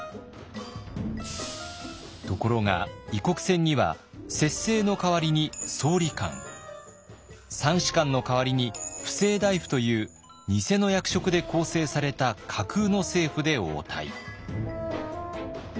ところが異国船には摂政の代わりに総理官三司官の代わりに布政大夫という偽の役職で構成された架空の政府で応対。